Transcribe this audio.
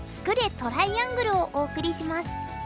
トライアングル」をお送りします。